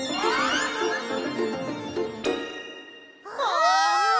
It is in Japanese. うわ！